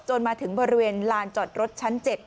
มาถึงบริเวณลานจอดรถชั้น๗